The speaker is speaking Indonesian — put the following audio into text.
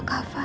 tetap di luar